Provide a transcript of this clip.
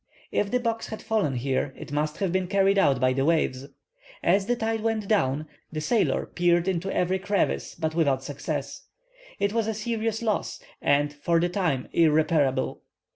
If the box had fallen here it must have been carried out by the waves. As the tide went down, the sailor peered into every crevice, but without Success. It was a serious loss, and, for the time, irreparable.